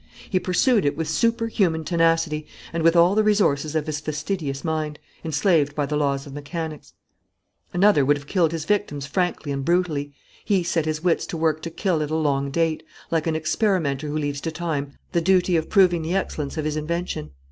He pursued it with superhuman tenacity and with all the resources of his fastidious mind, enslaved by the laws of mechanics. "Another would have killed his victims frankly and brutally. He set his wits to work to kill at a long date, like an experimenter who leaves to time the duty of proving the excellence of his invention.